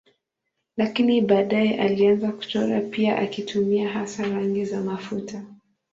Lakini baadaye alianza kuchora pia akitumia hasa rangi za mafuta.